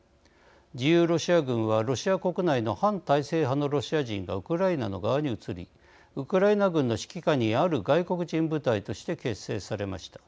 自由ロシア軍はロシア国内の反体制派のロシア人がウクライナの側に移りウクライナ軍の指揮下にある外国人部隊として結成されました。